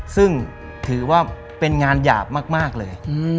ซึ่งถือว่าเป็นงานหยาบมากเลย